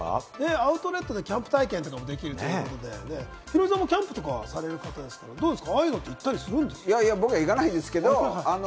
アウトレットでキャンプ体験とかもできるということで、ヒロミさんもキャンプとかされる方ですがどうですか？